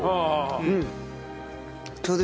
うん。